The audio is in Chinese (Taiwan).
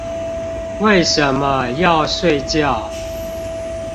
為什麼要睡覺？